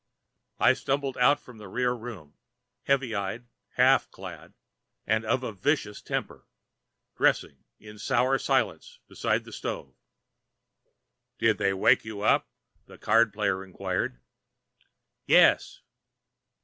I stumbled out from the rear room, heavy eyed, half clad, and of a vicious temper, dressing in sour silence beside the stove. "Did they wake you up?" the card player inquired. "Yes."